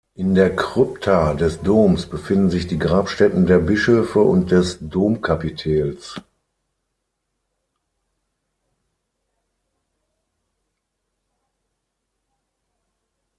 In der Krypta des Doms befinden sich die Grabstätten der Bischöfe und des Domkapitels.